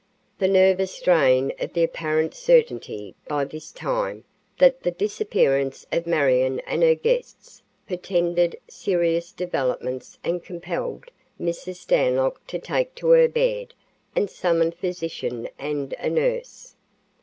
The nervous strain of the apparent certainty, by this time, that the disappearance of Marion and her guests portended serious developments had compelled Mrs. Stanlock to take to her bed and summon a physician and a nurse.